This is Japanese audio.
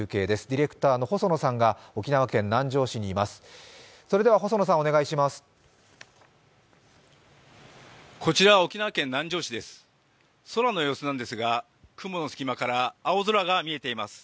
ディレクターの細野さんが沖縄県南城市にいます。